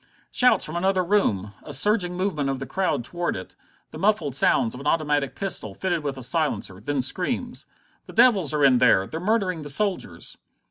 Shouts from another room! A surging movement of the crowd toward it. The muffled sounds of an automatic pistol, fitted with a silencer! Then screams: "The devils are in there! They're murdering the soldiers!"